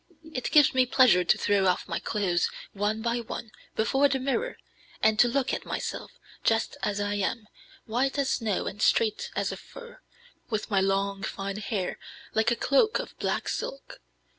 It gives me pleasure to throw off my clothes, one by one, before the mirror, and to look at myself, just as I am, white as snow and straight as a fir, with my long, fine, hair, like a cloak of black silk.